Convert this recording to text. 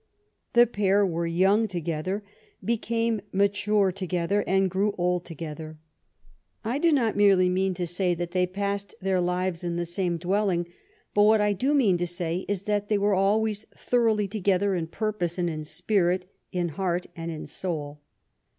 The pair were young together, became mature together, and grew old together. I do not merely mean to say that they passed their lives in the same dwell ing, but what I do mean to say is that they were always thoroughly together in purpose and in spirit, in heart and in soul.